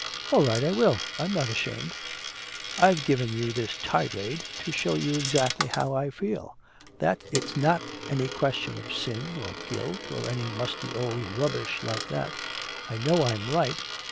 "All right, I will. I'm not ashamed. I've given you this 'tirade' to show you exactly how I feel that it's not any question of sin or guilt or any musty old rubbish like that! I know I'm right!